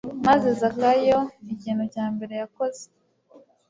maze Zakayo ikintu cya mbere yakoze